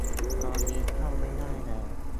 ตอนนี้เข้าไม่ได้แล้ว